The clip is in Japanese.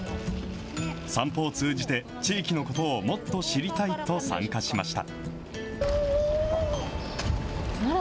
散歩を通じて、地域のことをもっと知りたいと参加しました。